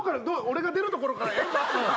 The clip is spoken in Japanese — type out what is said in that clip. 俺が出るところからやるか？